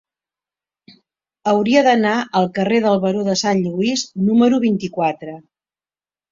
Hauria d'anar al carrer del Baró de Sant Lluís número vint-i-quatre.